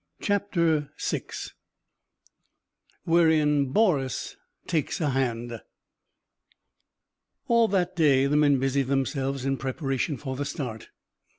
CHAPTER VI WHEREIN BOREAS TAKES A HAND All that day the men busied themselves in preparation for the start.